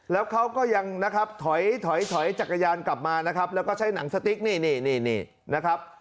แล้วเขาก็ยังนะครับถอยถอยจักรยานกลับมานะครับแล้วก็ใช้หนังสติ๊กนี่นี่นะครับ